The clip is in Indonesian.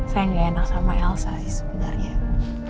saya nggak enak sama elsa sih sebenarnya